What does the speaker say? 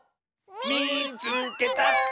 「みいつけた！」。